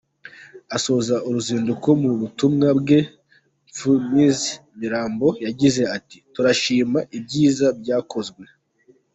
Asoza uruzinduko mu butumwa bwe , Phumzile Mlambo yagize ati :”Turashima ibyiza byakozwe.”